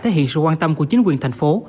thể hiện sự quan tâm của chính quyền thành phố